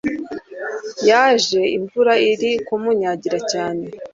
yaje imvura iri kumunyagira cyane